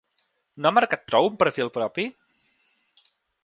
No ha marcat prou un perfil propi?